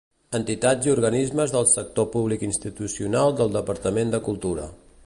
Entitats i organismes del sector públic institucional del Departament de Cultura.